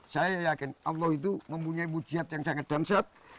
saya yakin allah itu mempunyai mujiat yang sangat damsat